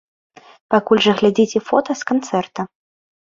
Пакуль жа глядзіце фота з канцэрта.